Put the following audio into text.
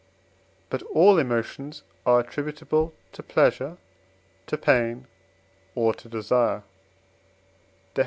But all emotions are attributable to pleasure, to pain, or to desire (Def.